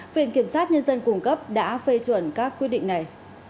viện kiểm sát nhân dân cung cấp đã phê chuẩn các quyết định này